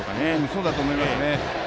そうだと思いますね。